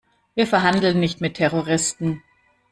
Wir verhandeln nicht mit Terroristen.